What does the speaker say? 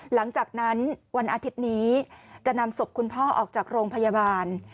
หลังจากนั้นวันอาทิตย์นี้จะนำศพคุณพ่อออกจากโรงพยาบาล